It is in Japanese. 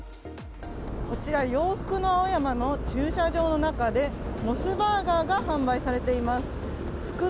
こちら洋服の青山の駐車場の中でモスバーガーが販売されています。